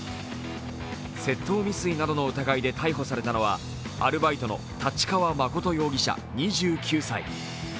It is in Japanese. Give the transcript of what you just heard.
窃盗未遂などの疑いで逮捕されたのはアルバイトの太刀川誠容疑者２９歳。